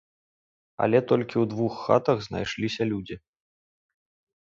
Але толькі ў двух хатах знайшліся людзі.